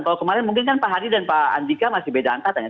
kalau kemarin mungkin kan pak hadi dan pak andika masih beda angkatannya